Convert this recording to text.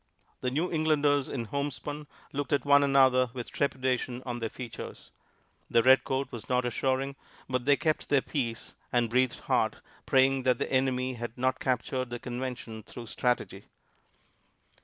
The New Englanders in homespun looked at one another with trepidation on their features. The red coat was not assuring, but they kept their peace and breathed hard, praying that the enemy had not captured the convention through strategy.